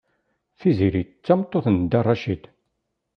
Tiziri d tameṭṭut n Dda Racid.